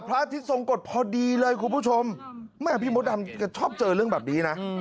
อาทิตยทรงกฎพอดีเลยคุณผู้ชมแม่พี่มดดำแกชอบเจอเรื่องแบบนี้นะ